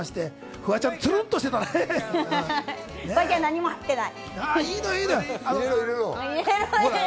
フワちゃん、何も入ってない。